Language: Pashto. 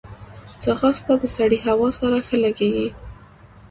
ځغاسته د سړې هوا سره ښه لګیږي